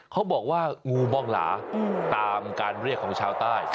เขาบอกว่างูบองหลาตามการเรียกของชาวใต้